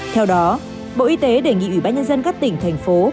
theo đó bộ y tế đề nghị ủy ban nhân dân các tỉnh thành phố